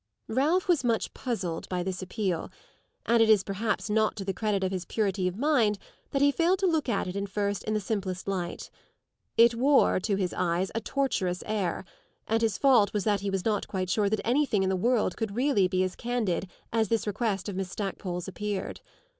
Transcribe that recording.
Ralph was much puzzled by this appeal, and it is perhaps not to the credit of his purity of mind that he failed to look at it at first in the simplest light. It wore, to his eyes, a tortuous air, and his fault was that he was not quite sure that anything in the world could really be as candid as this request of Miss Stackpole's appeared.